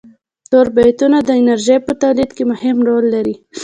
توربینونه د انرژی په تولید کی مهم رول لوبوي.